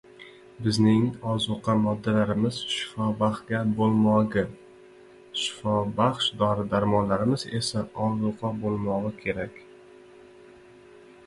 Bizning ozuqa moddalarimiz shifobaxga bo‘lmogi, shifobaxsh dori-darmonlarimiz esa ozuqa bo‘lmogi kerak.